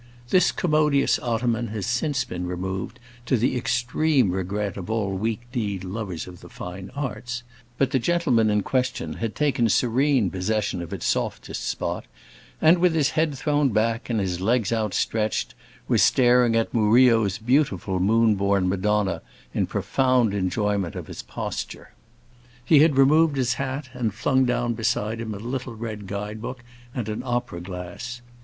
This commodious ottoman has since been removed, to the extreme regret of all weak kneed lovers of the fine arts, but the gentleman in question had taken serene possession of its softest spot, and, with his head thrown back and his legs outstretched, was staring at Murillo's beautiful moon borne Madonna in profound enjoyment of his posture. He had removed his hat, and flung down beside him a little red guide book and an opera glass.